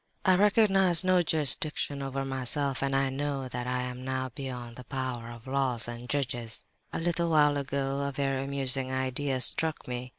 "I recognize no jurisdiction over myself, and I know that I am now beyond the power of laws and judges. "A little while ago a very amusing idea struck me.